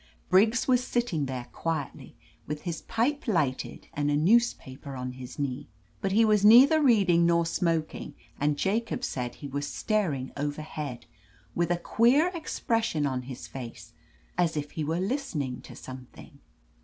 Briggs was sitting there quietly, with his pipe lighted and a newspaper on his knee. But he was neither reading nor smoking and Jacobs said he was staring overhead, with a queer expres sion on his face, as if he were listening to something.